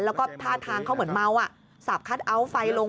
แล้วก็ท่าทางเขาเหมือนเมาอ่ะสับคัทเอาท์ไฟลง